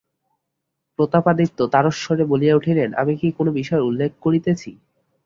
প্রতাপাদিত্য তারস্বরে বলিয়া উঠিলেন, আমি কি কোনো বিষয়ের উল্লেখ করিতেছি?